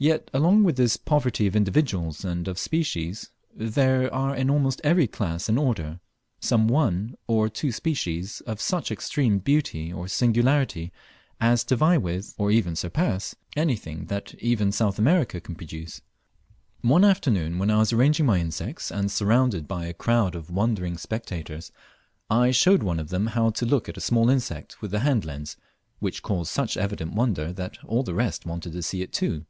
Yet, along with this poverty of individuals and of species, there are in almost every class and order, some one, or two species of such extreme beauty or singularity, as to vie with, or even surpass, anything that even South America can produce. One afternoon when I was arranging my insects, and surrounded by a crowd of wondering spectators, I showed one of them how to look at a small insect with a hand lens, which caused such evident wonder that all the rest wanted to see it too.